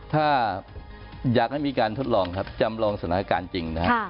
ถ้าอยากให้มีการทดลองครับจำลองสถานการณ์จริงนะครับ